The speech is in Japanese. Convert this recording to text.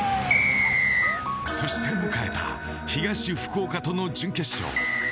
そして迎えた東福岡との準決勝。